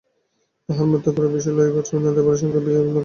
তাঁহার মৃত্যুর পরেই বিষয় লইয়া দেবরদের সঙ্গে মকদ্দমা বাধিয়া গেল।